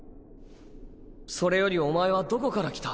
それよりお前はどこから来た？